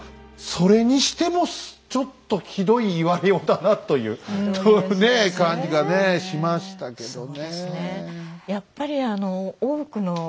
それにしてもちょっとひどい言われようだなという感じがしましたけどね。